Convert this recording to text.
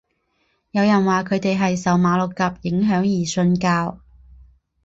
有人说他们是受马六甲影响而信教。